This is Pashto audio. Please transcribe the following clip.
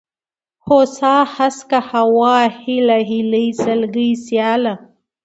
هوسا ، هسکه ، هوا ، هېله ، هيلۍ ، سلگۍ ، سياله